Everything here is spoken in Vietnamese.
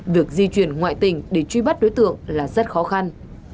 việc di chuyển ngoại tỉnh để truy bắt đối tượng là rất khó khăn